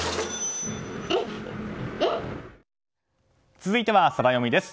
続いては、ソラよみです。